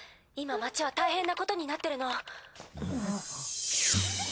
今町は大変なことになってるの。